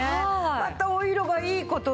またお色がいい事で。